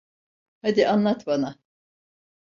Hadi, anlat bana.